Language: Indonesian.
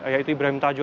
yaitu ibrahim tajuh